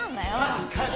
確かに。